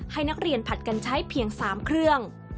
ให้นักเรียนผัดกันใช้เพียง๓เครื่อง